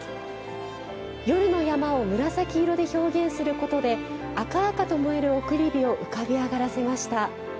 夜の山を紫色で表現することで赤々と燃える送り火を浮かび上がらせました。